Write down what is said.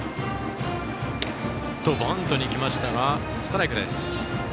バントにいきましたがストライク。